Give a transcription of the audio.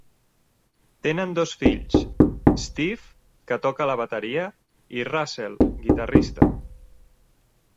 Tenen dos fills, Steve, que toca la bateria, i Russell, guitarrista.